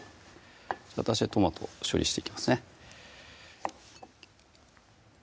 私はトマトを処理していきますね